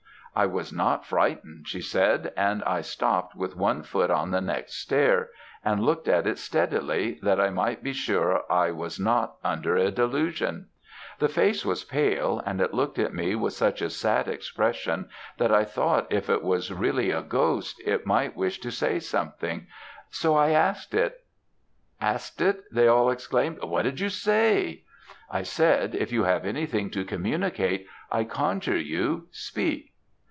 'I was not frightened!' she said, 'and I stopt with one foot on the next stair, and looked at it steadily, that I might be sure I was not under a delusion. The face was pale, and it looked at me with such a sad expression, that I thought if it was really a ghost, it might wish to say something; so I asked it.' "'Asked it!' they all exclaimed. 'What did you say?' "'I said, if you have anything to communicate, I conjure you speak!'